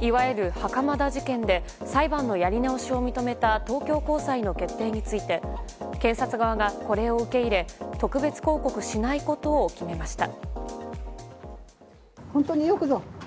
いわゆる袴田事件で裁判のやり直しを認めた東京高裁の決定について検察側がこれを受け入れ特別抗告しないことを決めました。